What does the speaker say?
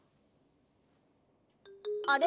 あれ？